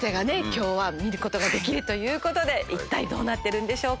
今日は見ることができるということで一体どうなってるんでしょうか？